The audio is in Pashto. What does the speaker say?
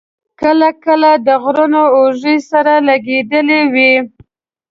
کله کله د غرونو اوږې سره لګېدلې وې.